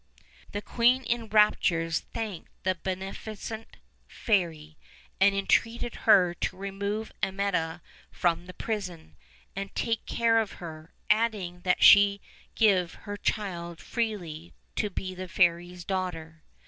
The queen in raptures thanked the beneficent fairy, and entreated her to remove Amietta from the prison, and take care of her; adding that she gave her child freely to be the fairy's daughter.